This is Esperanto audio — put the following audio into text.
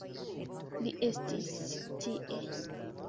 Li estis tie!